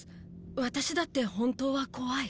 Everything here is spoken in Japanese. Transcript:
ワタシだって本当は怖い。